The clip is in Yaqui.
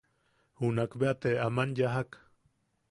Junakbea te aman yajak.